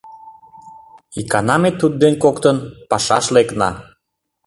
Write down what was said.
Икана ме тудден коктын «пашаш» лекна.